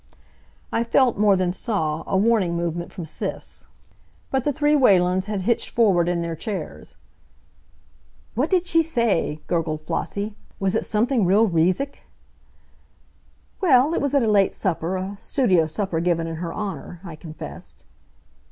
I felt, more than saw, a warning movement from Sis. But the three Whalens had hitched forward in their chairs. "What did she say?" gurgled Flossie. "Was it something real reezk?" "Well, it was at a late supper a studio supper given in her honor," I confessed.